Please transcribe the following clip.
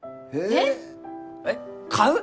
えっ？えっ？買う！？